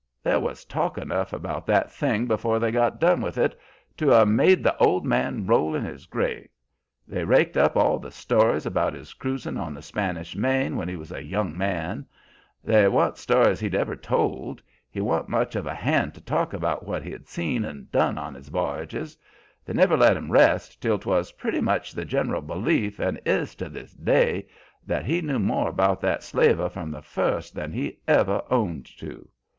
"There was talk enough about that thing before they got done with it to 'a' made the old man roll in his grave. They raked up all the stories about his cruisin' on the Spanish main when he was a young man. They wan't stories he'd ever told; he wan't much of a hand to talk about what he'd seen and done on his v'yages. They never let him rest till 'twas pretty much the gen'ral belief, and is to this day, that he knew more about that slaver from the first than he ever owned to.